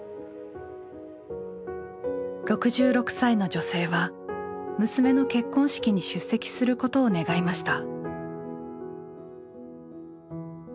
６６歳の女性は娘の結婚式に出席することを願いました。